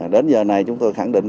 đến giờ này chúng tôi khẳng định